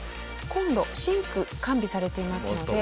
コンロシンク完備されていますので。